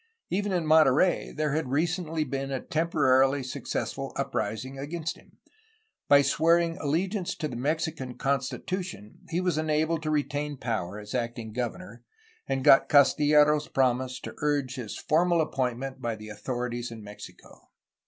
Even in Monterey there had recently been a temporarily successful uprising against him. By swearing allegiance to the Mexican constitution he was enabled to retain power as acting governor, and got Castillero's promise to urge his formal appointment by the authorities in Mexico.